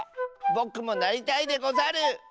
ぼくもなりたいでござる！